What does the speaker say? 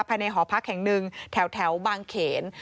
หอพักแห่งหนึ่งแถวบางเขน